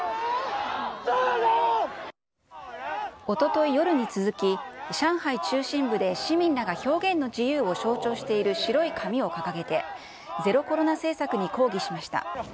おととい夜に続き、上海中心部で市民らが表現の自由を象徴している白い紙を掲げて、ゼロコロナ政策に抗議しました。